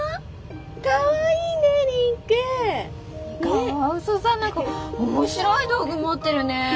カワウソさん何か面白い道具持ってるね。